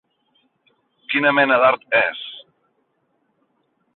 Quina mena d'art és?